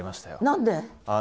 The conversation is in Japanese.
何で？